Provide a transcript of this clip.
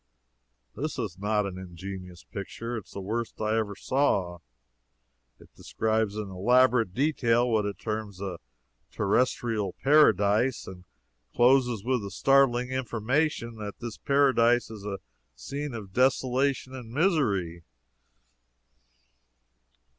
This is not an ingenious picture. It is the worst I ever saw. It describes in elaborate detail what it terms a "terrestrial paradise," and closes with the startling information that this paradise is "a scene of desolation and misery."